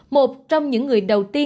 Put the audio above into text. một trong những người đầu tiên